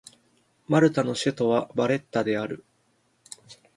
マルタの首都はバレッタである